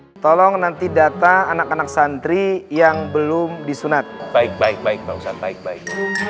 hai tolong nanti data anak anak santri yang belum disunat baik baik baik